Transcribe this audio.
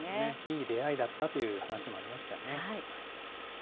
いい出会いだったという話もありましたよね。